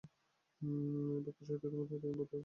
এই বাক্যের সহিত তোমাদের আধুনিক প্রথার তুলনা কর।